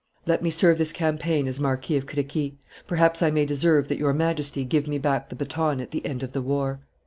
Let me serve this campaign as Marquis of Crequi; perhaps I may deserve that your Majesty give me back the baton at the end of the war.